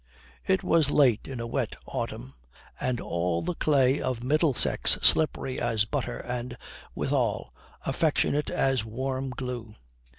It was late in a wet autumn, and all the clay of Middlesex slippery as butter and, withal, affectionate as warm glue.